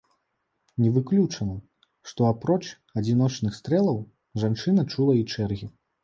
Не выключана, што апроч адзіночных стрэлаў, жанчына чула і чэргі.